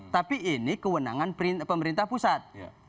tapi ini kewenangan pemerintah pusat